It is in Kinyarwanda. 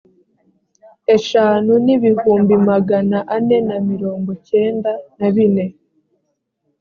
eshanu n’ibihumbi magana ane na mirongo cyenda na bine